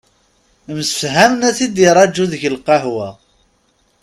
Msefhamen ad t-id-iraju deg lqahwa.